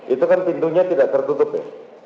itu kan pintunya tidak tertutup ya